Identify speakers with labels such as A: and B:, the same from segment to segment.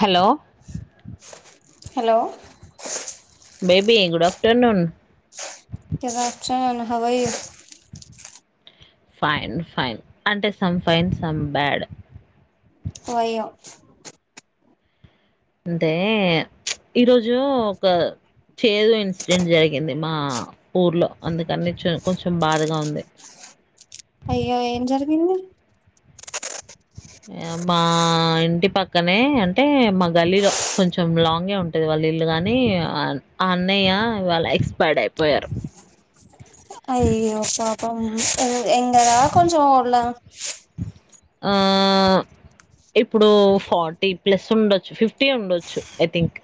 A: Hello
B: hello
A: baby good afternoon
B: కరప్షన్ హవయి
A: fine fine అంటే some fine some bad
B: వయం
A: అంటే ఈరోజు ఒక చేదు ఇన్సిడెంట్ జరిగింది మా ఊర్లో, అందుకని కొంచెం బాధగా ఉంది.
B: అయ్యో ఏం జరిగింది
A: మా ఇంటి పక్కనే, అంటే మా గల్లీలో కొంచెం లాంగే ఉంటుది వాళ్ళ ఇల్లు గానీ, అన్నయ్య ఇవాళ ఎక్స్పైైర్డ్ అయిపోయారు.
B: అయ్యో పాపం యంగ్ ఆ కొంచెం ఓల్డ్ ఆ
A: ఆ ఇప్పుడు ఫార్టీ ప్లస్ ఉండొచ్చు ఫిఫ్టీ ఉండొచ్చు ఐ థింక్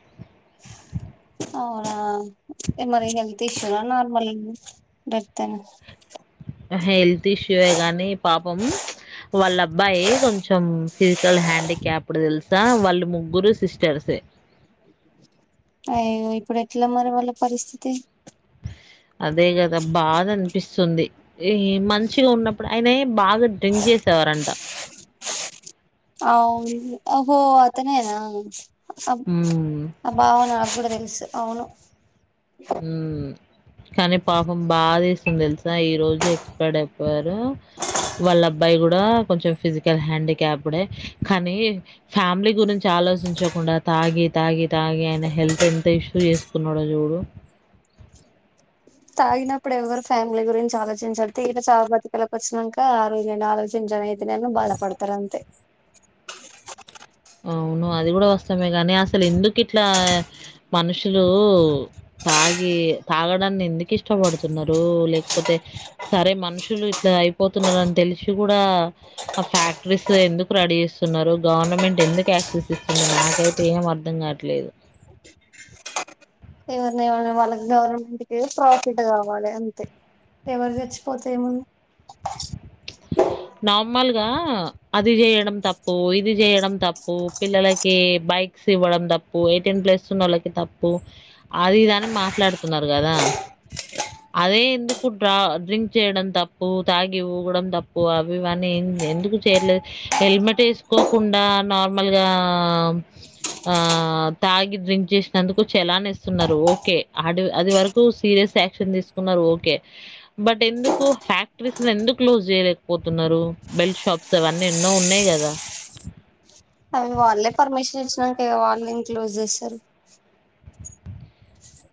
B: అవున ఏ మరి హెల్త్ ఇష్యూ నా నార్మల్ డెత్
A: హెల్త్ ఇష్యూయే కానీ, పాపం చ్ వాళ్ళ అబ్బాయి కొంచెం ఫిజికల్ హ్యాండీక్యాప్డ్ తెలుసా, వాళ్ళు ముగ్గురు సిస్టర్సే
B: అయ్యో ఇప్పుడు ఎట్లా మరి వాళ్ళ పరిస్థితి
A: అదే కదా బాధ అనిపిస్తుంది, ఈ మంచిగా ఉన్నప్పుడు ఆయనే బాగా డ్రింక్ చేసేవారంట
B: అవునా ఓహో అతనేనా అబ్
A: హ్మ్
B: ఆ బావ నా కూడా తెలుసు అవును
A: హు కానీ పాపం బాద తెలుసా ఈ రోజు ఎక్స్పర్డ్ వారు వాళ్ళ అబ్బాయి కూడా కొంచెం ఫిజికల్ హ్యాండిక్యాప్డే. కానీ ఫ్యామిలీ గురించి ఆలోచించకుండా, తాగి, తాగి, తాగి ఆయన హెల్త్ ఎంత ఇష్యూ చేసుకున్నాడో చూడు.
B: తాగినప్పుడు ఎవ్వరు ఫ్యామిలీ గురించి ఆలోచించరు. తీ ఇట్ల చావుబతుకులకూ వచ్చినంకా ఆ రోజు నను ఆలోచించాను. అయితే నేను బాధపడతారు అంతే.
A: అవును అది కూడా వాస్తవమే గానీ, అసలు ఎంద్ కిట్లా మనుషులు తాగి తాగడాన్ని ఎందుకు ఇష్టపడుతున్నారో, లేకపోతే సరే మనుషులు ఇట్లా అయిపోతున్నారు అని తెలిసి కూడా, ఆ ఫ్యాక్టరీస్ ఎందుకు రెడీ చేస్తున్నారో, గవర్నమెంట్ ఎందుకు యాక్సెస్ ఇస్తుంది. నాకైతే ఏం అర్థం కాట్లేదు.
B: వాల్ వాళ్ళకి గవర్నమెంట్ కి ప్రాఫిట్ కావాలి. అంతే ఎవరు చచ్చిపోతే ఏ ముంది.
A: నార్మల్గా అది చేయడం తప్పు. ఇది చేయడం తప్పు. పిల్లలకి బైక్స్ ఇవ్వడం తప్పు. ఎయిటీన్ ప్లస్ ఉన్న వాళ్ళకి తప్పు. అది ఇది అని మాట్లాడుతున్నారు. కదా అదే ఎందుకు డ డ్రింక్ చేయడం తప్పు. తాగి ఊగడం తప్పు. అవి ఇవి అన్ని ఎందుకు చేయలేదు. హెల్మెట్ వేసుకోకుండా నార్మల్గా ఆ ఆ తాగి డ్రింక్ చేసినందుకు చలాని ఇస్తున్నారు. ఓకే అ అది వరకు సీరియస్ యాక్షన్ తీసుకున్నారు. ఓకే బట్ ఎందుకు ఫ్యాక్టరీస్ ఎందుకు క్లోజ్ చేయలేద్. పోతున్నారు బెల్ట్ షాప్స్ అవన్నీ ఎన్నో ఉన్నాయి కదా
B: అవి వాళ్ళే పర్మిషన్ ఇచ్చినంక వాళ్ళే ఎం క్లోజ్ చేస్తరు.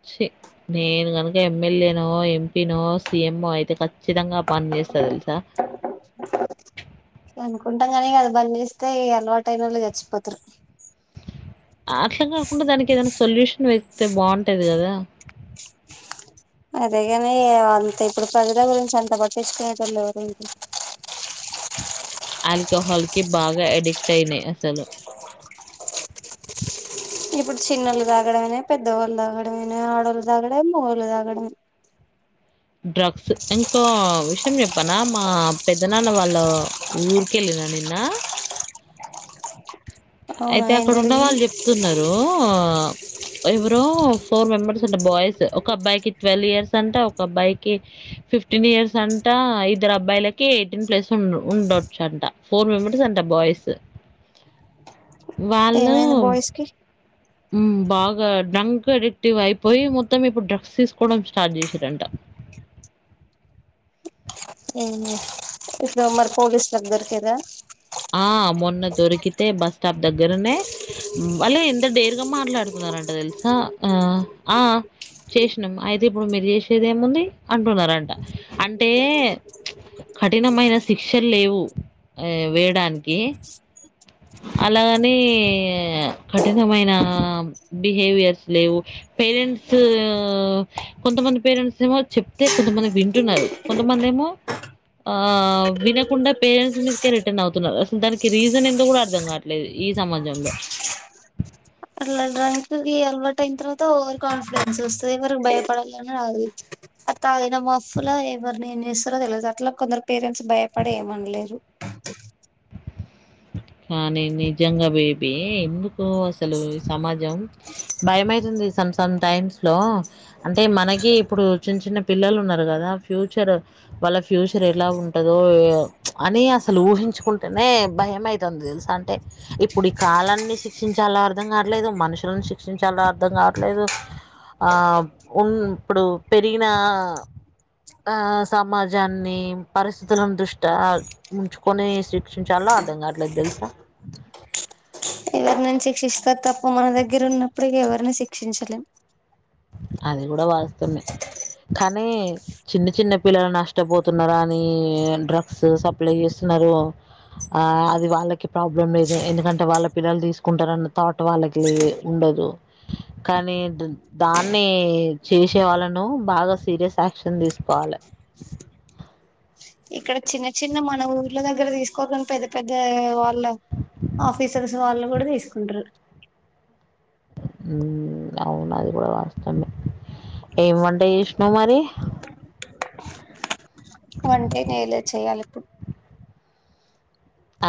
A: చి నేను గనుక ఎమ్మెల్యే నో, ఎంపీ నో, సీఎం ఓ, అయితే ఖచ్చితంగా ఆ పని చేస్తా తెలుసా.
B: అనుకుంటాం కానీ అది బంద్ చేస్తే అలవాటు అయినవాళ్ళు చచ్చిపోతారు.
A: ఆ అట్లా కాకుండా దానికి ఏదైనా సో సొల్యూషన్ వెతికితే బాగుంటది గదా
B: అదేగాని అంతే ఇప్పుడు ప్రజల గురించి అంత పట్టించుకునేటళ్ళు ఎవరుంటారు.
A: ఆల్కహాల్ కి బాగా అడిక్ట్ అయినాయి అసలు
B: ఇప్పుడు చిన్నల్లు తాగడమైనా పెద్దవాళ్ళు తాగడమైనా ఆడళ్లు తాగడం మొగళ్ళు తాగడం
A: డ్రగ్స్ ఇంకో విషయం చెప్పనా మా పెద్ద నాన్న వాళ్ళ ఊరికి వెళ్ళిన నిన్న
B: అవునా
A: అయితే
B: ఏం
A: అక్కడ ఉన్న
B: జరిగింది
A: వాళ్ళు చెప్తున్నారు. ఎవరో ఫోర్ మెంబర్స్ అంట బాయ్స్. ఒక అబ్బాయికి ట్వల్ ఇయర్స్ అంట. ఒక అబ్బాయికి ఫిఫ్టీన్ ఇయర్స్ అంట. ఇద్దరు అబ్బాయిలకి ఎయిటీన్ ప్లస్ ఉండ్ ఉండొచ్చు అంట. ఫోర్ మెంబర్స్ అంట బాయ్స్. వాళ్లు
B: ఏమైంది బాయ్స్ కి
A: ఉమ్ బాగా డ్రంక్ అడిక్టివ్ అయిపోయి, మొత్తం ఇప్పుడు డ్రగ్స్ తీసుకోవడం స్టార్ట్ చేసిరంట.
B: ఇప్పుడు మరి పోలీస్లకి దొరికిర
A: ఆ మొన్న దొరికితే బస్ స్టాప్ దగ్గరనే వాళ్ళు ఎంత డేర్గా మాట్లాడుతున్నారంట తెలుసా! ఆ ఆ చేసినం. అయితే ఇప్పుడు మీరు చేసేది ఏముంది అంటున్నారంట. అంటే కఠినమైన శిక్షలు లేవు. వే దానికి అలాగని కఠినమైన బిహేవియర్స్ లేవు. పేరెంట్స్ కొంతమంది పేరెంట్స్ ఏమో చెప్తే, కొంతమంది వింటున్నారు. కొంతమంది ఏమో ఆ వినకుండా పేరెంట్స్ మీదికే రిటర్న్ అవు స్తున్నరు అసలు దానికి రీజన్ ఎందో కూడా అర్థం కావట్లేదు. ఈ సమాజంలో
B: అది అలవాటు అయిన తర్వాత ఓవర్ కాన్ఫిడెన్స్ వస్తది. ఎవరికి భయపడాలని రాదు అది. తాగిన మాఫ్లా ఎవరినేం చేస్తారో తెలవది. అట్లా కొందరు పేరెంట్స్ భయపడి ఏమనలేరు.
A: కానీ నిజంగా బేబీ ఎందుకు అసలు ఈ సమాజం భయమైతుంది. సమ్ సమ్ టైమ్స్ లో అంటే మనకి ఇప్పుడు చిన్న చిన్న పిల్లలు ఉన్నారు కదా. ఫ్యూచర్ వాళ్ళ ఫ్యూచర్ ఎలా ఉంటదో, అని అసలు ఊహించుకుంటునే, భయమైతంది తెలుసా. అంటే ఇప్పుడు ఈ కాలాన్ని శిక్షించాలో అర్థం కావట్లేదు. మనుషులను శిక్షించాలో అర్థం కావట్లేదు. ఆ ఉన్ ఇప్పుడు పెరిగిన ఆ సమాజాన్ని పరిస్థితులను దృష్ట ఉంచుకొని శిక్షించాలో అర్ అర్థంగవట్లేదు తెలుసా
B: ఎవరి నని శిక్షిస్తారు. తప్పు మన దగ్గర ఉన్నప్పుడు ఎవరిని శిక్షించలేం.
A: అది కూడా వాస్తవమే కానీ చిన్న చిన్న పిల్లలు నష్టపోతున్నారు. అని డ్రగ్స్ సప్లై చేస్తున్నారు. ఆ అది వాళ్ళకి ప్రాబ్లం లేదు. ఎందుకంటే వాళ్ళ పిల్లలు తీసుకుంటారన్న థాట్ వాళ్ళకి లే ఉండదు. కానీ దాన్ అన్నీ చేసే వాళ్ళను బాగా సీరియస్ యాక్షన్ తీసుకోవాలే
B: ఇక్కడ చిన్న చిన్న మన ఊర్ల దగ్గర తీసుకోరు గాని పెద్ద పెద్ద వా లవ్ ఆఫీసర్స్ వాళ్ళు కూడా తీసుకుంటరు
A: ఉ అవునది కూడా వాస్తమే ఎం వంట చేసినవ్ మరి
B: వంటే చేయలేద్ చేయాలి ఇప్పుడు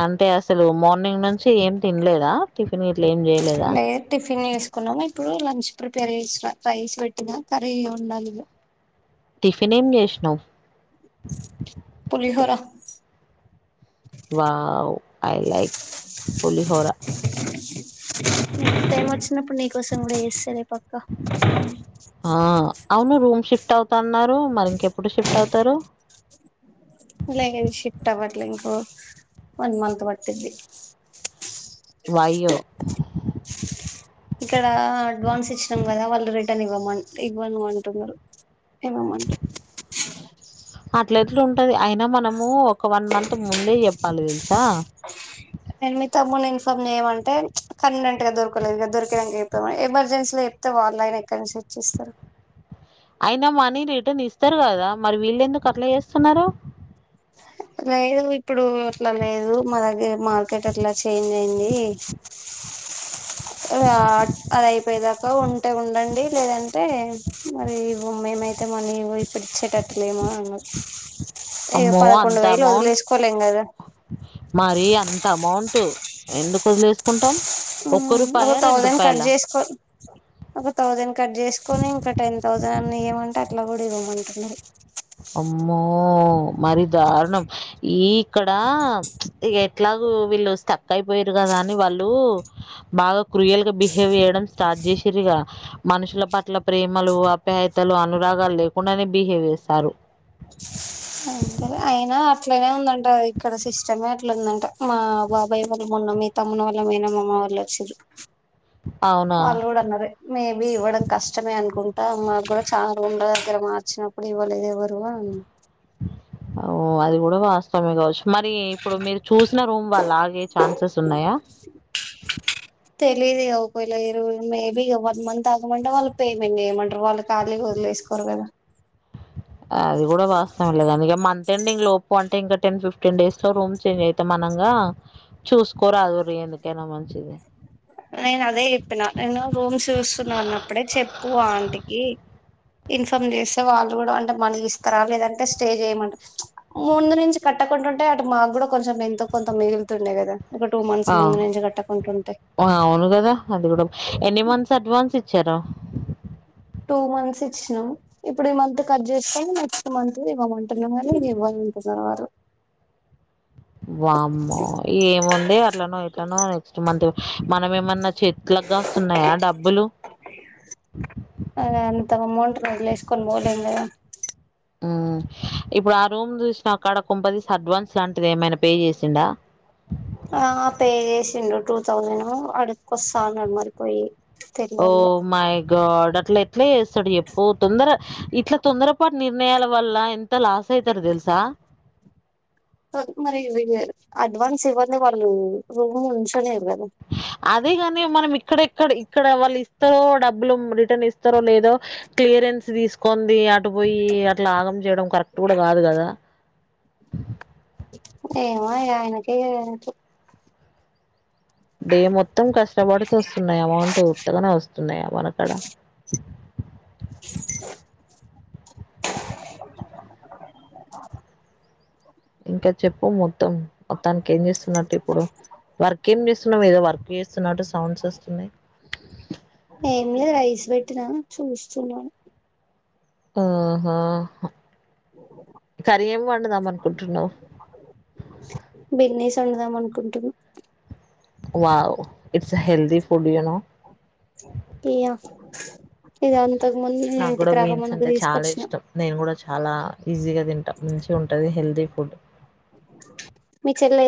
A: అంటే అసలు మార్నింగ్ నుంచి ఏం తిన్లేద. టిఫిన్ గీట్ల ఏం చేయలే.
B: లేదు టిఫ్ ఫిన్ చేసుకున్నాము. ఇప్పుడు లంచ్ ప్రిపేర్ చేసిన. రైస్ పెట్టిన కర్రీ వండాలి ఇగ.
A: టిఫిన్ ఏం చేసినావు
B: పులిహోర
A: wow I like pulihora
B: time వచ్చినప్పుడు నీకోసం కూడా చేస్తలే పక్క
A: ఆ అవును రూమ్ షిఫ్ట్ అవుతాన్నారు మరి ఇంకెప్పుడు షిఫ్ట్ అవుతారు
B: లేగది షిఫ్ట్ అవ్వట్లే ఇంకో వన్ మంత్ పట్టిద్ది
A: వయో
B: ఇక్కడ అడ్వాన్స్ ఇచ్చినం కదా వాళ్ళ రిటర్న్ ఇవ్వమ ఇవ్వను అంటున్నారు ఇవ్వమంట
A: అట్ల ఎట్లా ఉంటది అయిన మనము ఒక వన్ మంత్ ముందే చెప్పాలి తెలుసా
B: నేను మీ తమ్ముని ఇన్ఫార్మ్ చేయమంటే కన్వీనెంట్ గా దొరకలేదు గ దొరికినంక చెప్తమాయే ఎమర్జెన్సీల చెప్తే వాళ్ళైన ఎక్కడి నుంచి తెచిస్తారు తెచ్చిస్తారు
A: అయినా మనీ రిటర్న్ ఇస్తరు కదా మరి వీళ్ళు ఎందుకు అట్ల చేస్తున్నరు
B: లేదు ఇప్పుడు అట్ల లేదు మా దగ్గర మార్కెట్ అట్ల చేంజ్ అయింది అది అయిపోయదాకా ఉంటే ఉండండి లేదంటే మరి ము మేమైతే మనీ ఇవ్వు ఇప్పుడు ఇచ్చేటట్లు లేము అన్నరు ఇగో
A: అమ్మో
B: పదకొండు
A: అంత
B: వేలు
A: అమౌంట్
B: వదిలేసుకోలేం కద
A: మరి అంత అమౌంట్ ఎందుకు వదిలేసుకుంటాం
B: ఉ
A: ఒక్క
B: ఒక
A: రూపాయ రెండు
B: థౌజండ్ కట్
A: రూపాయల
B: చేసుకో ఒక థౌసండ్ కట్ చేసుకొని ఇంకా టెన్ థౌసండ్ ఇయమంటే అట్ల కూడా ఇవ్వమంటున్నారు
A: అమ్మో మరి దారుణం ఈ ఇక్కడ ఇగ ఎట్లాగు వీళ్ళు స్టక్ అయిపోయిరు కదా అని వాళ్ళు బాగా క్రూయల్ గా బిహేవ్ చేయడం స్టార్ట్ చేసిరు ఇగ మనుషుల పట్ల ప్రేమలు అప్యాయతలు అనురాగాలు లేకుండానే బిహేవ్ చేస్తారు
B: అంతే అయినా అట్లనే ఉందంట ఇక్కడ సిస్టమే అట్లుందంట మా బాబాయ్ వాళ్ల మొన్న మీ తమ్ముని వాల్ల మేనమామ వాళ్ళ అచ్చిరు
A: అవునా?
B: వాళ్ళు కూడ అన్నారు మేబి ఇవ్వడం కష్టమే అనుకుం అ మాకు కూడా చాలా ఉండ దగ్గర మార్చినప్పుడు ఇవ్వలేదు ఎవరు
A: ఓ అది కూడా వాస్తవమే కావచ్చు మరి ఇప్పుడు మీరు చూసిన రూమ్ వాళ్ళ ఆగే ఛాన్సెస్ ఉన్నాయా
B: దు ఒకవేళరు మేబీ వన్ మంత్ ఆగమంటే వాళ్ళు పేమెంట్ చేయమంటారు వాళ్ళు ఖాళీ వదిలే వేసుకోరు కదా
A: అది కూడా వాస్తవం లేదు అందుకే మ ెండింగ్ లోప్పు అంటే ఇంకా టెన్ ఫిఫ్టీన్ డేస్ లో రూమ్ చేంజ్ అయితే మనగా చూసుకోరాదురి ఎందుకైనా మంచిది
B: నేను అదే చెప్పినా నేను రూమ్ చూస్తున్నా అన్నప్పుడే చెప్పు ఆంటికి ఇన్ఫార్మ్ చేస్తే వాళ్ళు కూడా అంటే మనకి ఇస్తారా లేదంటే స్టే చేయమంట ముందు నుంచి కట్టకుండాంటే అటు మాకు కూడా కొంచెం ఎంతో కొంత మిలుతుండే కదా ఇక టూ మంత్స్
A: ఆ!
B: ముందు నుంచి కట్టకుండాంటాయి
A: అవును అది ఎని మంతస్ అడ్వాన్స్ చ్చార
B: టూ మంత్స్ ఇచ్చినాం ఇప్పుడు ఈ మంత్ కట్ చేసుకని నెక్స్ట్ మంత్ ఇవ్వమంటున్న వాారు ఇది ఇవ్వమంటున్నారు వారు
A: వామ్మో ఏముంది అట్లనో ఎట్లనో నెక్స్ట్ మంత్ మనం ఏమన్నా చెట్లకుగా వస్తున్నాయా డబ్బులు
B: మల ఇస్కొ పోోల్ంద
A: ఊ.. ఇప్పుడు ఆ రూమ్ జూసి అ క్కడ కొంపదీసి అడ్వాన్స్ లాంటిది ఏమైనా పే జెసిండా
B: ఆ పే చేసిండు టూ థౌజనూ అడుక్కోస్త అన్నాడు మరిపోయి
A: ఓ
B: తెలివదు ఇగ
A: మై గాడ్ గట్ల ఎట్ అట్నే జెస్తడు జెప్పు తొందర ఇట్లా తొందర ప్పటి నిర్ణయాల వల్ల ఎంత లాస్ అయితరు దెలుసా
B: మరి అడ్వాన్స్ ఇవ్వంది వాళ్ళు రూమ్ ఉంచనియరు గదా
A: అదేగాని మనమి ఇక్కడెక్కడ ఇక్కడ వాళ్ళు డబ్బులు రిటర్న్ ఇస్త స్తారో లేదో క్లియరెన్స్ తీసుకొంది అటు పోయి అట్లా ఆగం జెయడం కరెక్ట్ గూడ గాదు గదా [inaudible]
B: ఏమో ఇగ ఆయనకే ఈయనకే
A: డే మొత్తం కష్టపడుతూ వస్తున్నాయా అమౌంట్ ఉత్తగనే వస్తున్నాయా మనకాడ
B: [unintelligible]
A: ఇంకా చెప్పు మొద్ మొత్తం మొత్తానికి ఏం చేస్తున్నట్టు ఇప్పుడు వర్క్ ఏం చేస్తున్నాం ఏదో వర్క్ చేస్తున్నట్టు సౌండ్స్ వస్తున్నాయి
B: చూస్తున్నా
A: ఆహాహా కరి ఎం వండుదాం అనుకుంటున్నవు
B: బిర్నీస్ వండుదాం అనుకుంటున్నా
A: wow it's a healthy food you no
B: [inaudible] అంతకు ముందు నేను
A: నాకు కూడా
B: ఇంటికి రాక
A: బీన్స్
B: ముందుకు
A: అంటే చాలా
B: తీసుకొచ్చిన
A: ఇష్టం నేను కూడా చాలా ఈజీగా తింటా మంచిగా ఉంటది హెల్తీ ఫుడ్
B: మీ చెల్లె